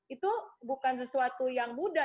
itu bukan sesuatu yang mudah